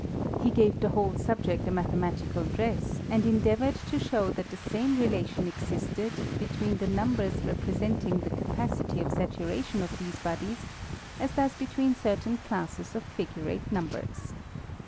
He gave the whole subject a mathematical dress, and endeavoured to show that the same relation existed, between the numbers representing the capacity of saturation of these bodies, as does between ceitain classes of figurate numbers.